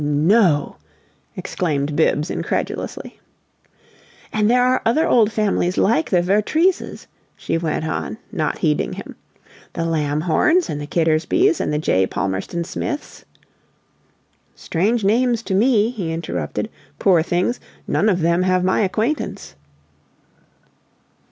"No!" exclaimed Bibbs, incredulously. "And there are other old families like the Vertreeses," she went on, not heeding him; "the Lamhorns and the Kittersbys and the J. Palmerston Smiths " "Strange names to me," he interrupted. "Poor things! None of them have my acquaintance."